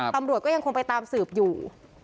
ตำรวจก็ยังคงไปตามสืบอยู่